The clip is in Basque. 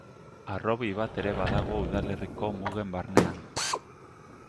Harrobi bat ere badago udalerriko mugen barnean.